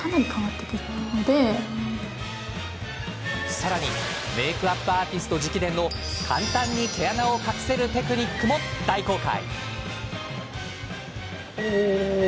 さらにメークアップアーティスト直伝の簡単に毛穴を隠せるテクニックも大公開。